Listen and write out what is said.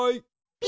ピ！